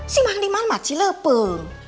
si mandiman mah cilepeng